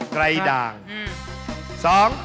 ไกลด่าง